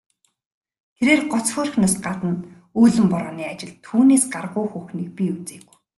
Тэрээр гоц хөөрхнөөс гадна үүлэн борооны ажилд түүнээс гаргуу хүүхнийг би үзээгүй.